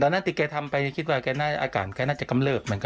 นั้นที่แกทำไปคิดว่าแกอาการแกน่าจะกำเริบเหมือนกัน